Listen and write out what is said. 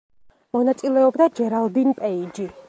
მონაწილეობდა ჯერალდინ პეიჯი.